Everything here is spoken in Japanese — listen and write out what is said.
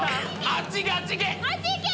あっち行けあっち行け！